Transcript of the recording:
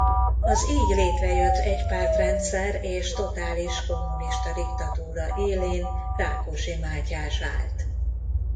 Az így létrejött egypártrendszer és totális kommunista diktatúra élén Rákosi Mátyás állt.